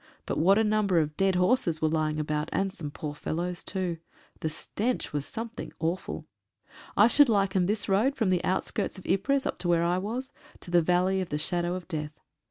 But what a number of dead horses were lying about, and some poor fellows too. The stench was something awful. I should liken this road from the outskirts of Ypres, up to where I was, to the Valley of the Shadow of Death.